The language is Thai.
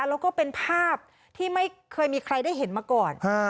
แล้วก็เป็นภาพที่ไม่เคยมีใครได้เห็นมาก่อน